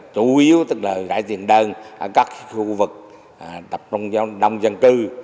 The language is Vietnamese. chủ yếu tức là gãi tiền đơn ở các khu vực tập trung trong đông dân cư